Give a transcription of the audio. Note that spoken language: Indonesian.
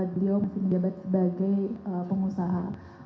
beliau masih menjabat sebagai pengusaha